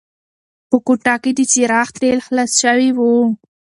په کوټه کې د څراغ تېل خلاص شوي وو.